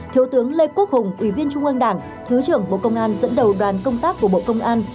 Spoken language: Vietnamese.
thiếu tướng lê quốc hùng ủy viên trung ương đảng thứ trưởng bộ công an dẫn đầu đoàn công tác của bộ công an